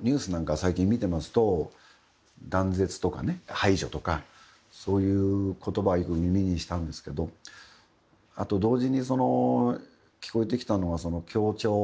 ニュースなんか最近見てますと断絶とかね、排除とかそういうことばはよく耳にしたんですけどあと、同時に聞こえてきたのは協調。